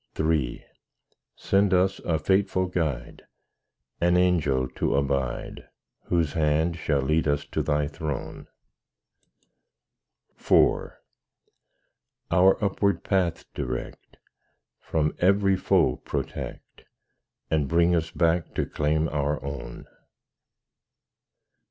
III Send us a faithful guide: An angel to abide, Whose hand shall lead us to Thy throne. IV Our upward path direct, From every foe protect, And bring us back to claim our own.